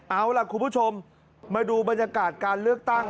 เอาล่ะคุณผู้ชมมาดูบรรยากาศการเลือกตั้ง